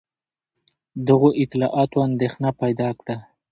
دغو اطلاعاتو اندېښنه پیدا کړه.